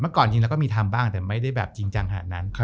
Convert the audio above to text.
ก่อนจริงแล้วก็มีทำบ้างแต่ไม่ได้แบบจริงจังขนาดนั้น